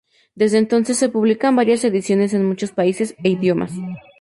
Desde entonces, se publican varias ediciones en muchos países e idiomas.